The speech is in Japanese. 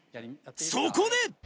そこで！